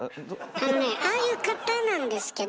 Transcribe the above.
あのねああいう方なんですけど